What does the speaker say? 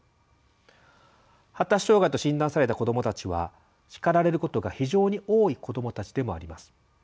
発達障害と診断された子どもたちは叱られることが非常に多い子どもたちでもあります。